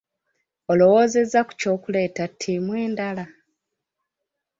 Olowoozezza ku ky'okuleeta ttiimu endala?